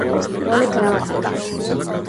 შეადგინა ენა ტუპის პირველი გრამატიკა.